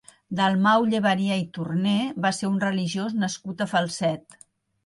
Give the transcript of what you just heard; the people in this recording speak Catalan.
Dalmau Llebaria i Torné va ser un religiós nascut a Falset.